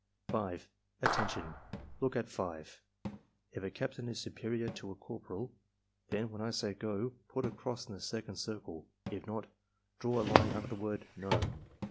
5. "Attention! Look at 5. If a captain is superior to a corporal, then (when I say 'go') put a cross in the second circle; if not, draw a line under the word NO.